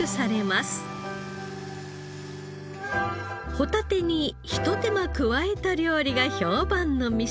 ホタテにひと手間加えた料理が評判の店。